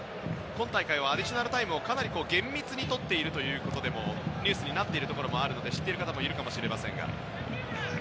今大会はアディショナルタイムをかなり厳密にとっているというニュースになっているところもあるので知っている方もいるかもしれません。